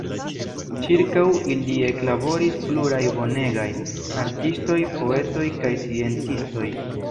Ĉirkaŭ ili eklaboris pluraj bonegaj artistoj, poetoj kaj sciencistoj.